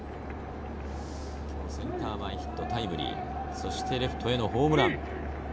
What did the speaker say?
今日センター前ヒットタイムリー、そしてレフトへのホームラン。